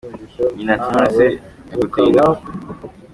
Ntabwo byoroshye guhuriza hamwe abantu ibihumbi nka mwe.